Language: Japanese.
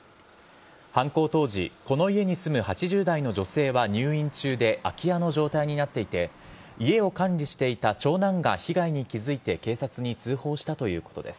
犯行当時、この家に住む８０代の女性は入院中で空き家の状態になっていて家を管理していた長男が被害に気づいて警察に通報したということです。